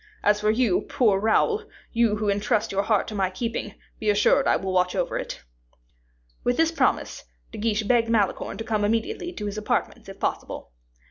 As for you, poor Raoul, you who intrust your heart to my keeping, be assured I will watch over it." With this promise, De Guiche begged Malicorne to come immediately to his apartments, if possible.